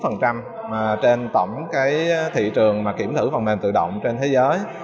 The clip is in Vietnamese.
trên tổng thị trường kiểm thử phần mềm tự động trên thế giới